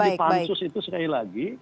di pansus itu sekali lagi